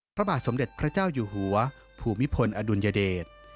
พระบาทสมเด็จพระเจ้าอยู่หัวภูมิพลอดุลยเดช